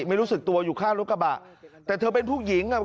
ไม่รู้สึกตัวอยู่ข้างรถกระบะแต่เธอเป็นผู้หญิงอ่ะ